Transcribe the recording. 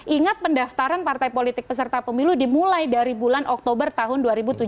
ingat pendaftaran partai politik peserta pemilu dimulai dari bulan oktober tahun dua ribu tujuh belas